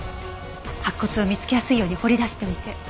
白骨を見つけやすいように掘り出しておいて。